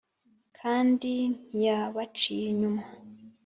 kandi ntiyabaciye inyuma.